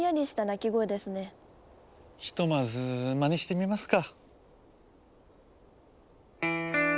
ひとまずまねしてみますか。